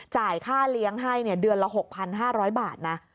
จ่ายค่าเลี้ยงให้เดือนละ๖๕๐๐บาทนะ